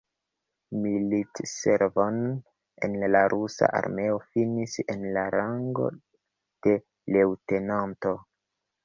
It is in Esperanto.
Militservon en la rusa armeo finis en la rango de leŭtenanto.